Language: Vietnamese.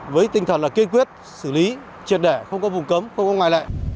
với tinh thần là kiên quyết xử lý triệt để không có vùng cấm không có ngoài lệ